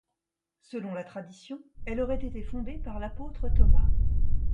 Selon la tradition, elle aurait été fondée par l'apôtre Thomas.